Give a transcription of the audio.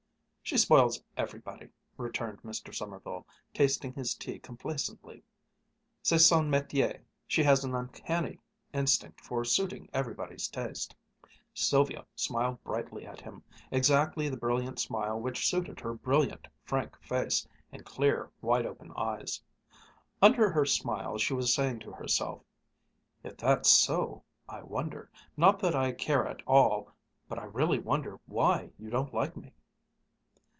"She spoils everybody," returned Mr. Sommerville, tasting his tea complacently; "'c'est son métier.' She has an uncanny instinct for suiting everybody's taste." Sylvia smiled brightly at him, exactly the brilliant smile which suited her brilliant, frank face and clear, wide open eyes. Under her smile she was saying to herself, "If that's so, I wonder not that I care at all but I really wonder why you don't like me."